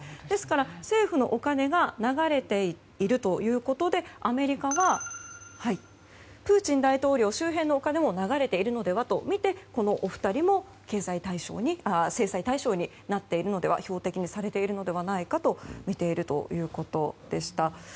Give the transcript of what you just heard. ですから、政府のお金が流れているということでアメリカはプーチン大統領周辺のお金も流れているのではとみてこのお二人も経済制裁対象になっているのでは標的にされているのではとみているということでした。